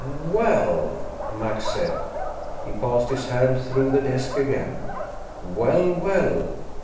"Well!" Max said. He passed his hand through the desk again. "Well, well.